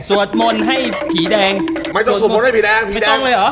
สวดมนต์ให้ผีแดงไม่ต้องสวดมนต์ให้ผีแดงไม่ต้องเลยหรอ